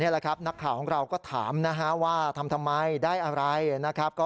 แหละครับนักข่าวของเราก็ถามนะฮะว่าทำทำไมได้อะไรนะครับ